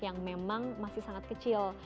yang memang masih sangat kecil